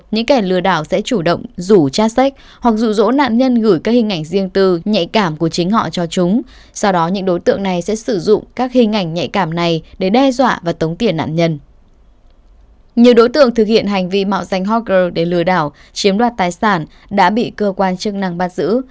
những đối tượng thực hiện hành vi mạo danh hoter để lừa đảo chiếm đoạt tài sản đã bị cơ quan chức năng bắt giữ